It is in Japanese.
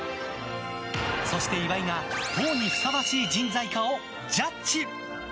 そして、岩井が党にふさわしい人材かをジャッジ。